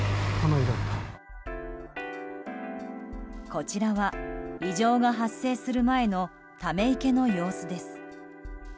こちらは異常が発生する前のため池の様子です。